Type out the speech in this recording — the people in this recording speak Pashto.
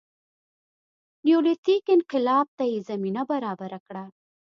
نیولیتیک انقلاب ته یې زمینه برابره کړه